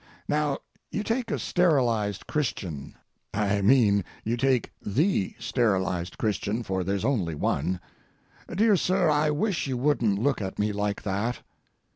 Now you take a sterilized Christian—I mean, you take the sterilized Christian, for there's only one. Dear sir, I wish you wouldn't look at me like that.